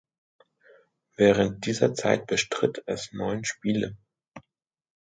Während dieser Zeit bestritt es neun Spiele.